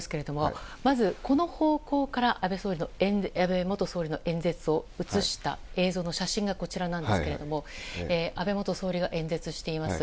まず、この方向から安倍元総理の演説を写した映像の写真がこちらなんですが安倍元総理が演説しています